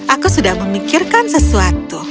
aku sudah memikirkan sesuatu